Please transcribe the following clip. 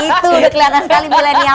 itu udah kelihatan sekali mbak